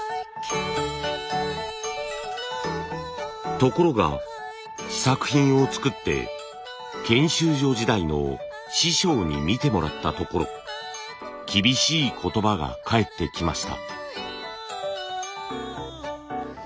ところが試作品を作って研修所時代の師匠に見てもらったところ厳しい言葉が返ってきました。